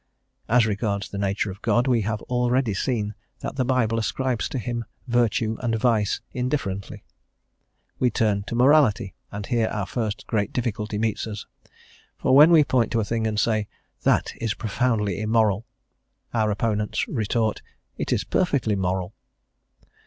As regards the nature of God, we have already seen that the Bible ascribes to him virtue and vice indifferently. We turn to morality, and here our first great difficulty meets us, for when we point to a thing and say, "that is profoundly immoral," our opponents retort, "it is perfectly moral."